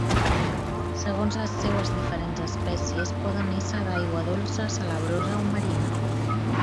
Segons les seues diferents espècies, poden ésser d'aigua dolça, salabrosa o marina.